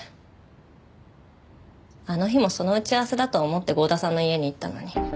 あの日もその打ち合わせだと思って郷田さんの家に行ったのに。